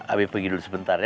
abik pergi dulu sebentar ya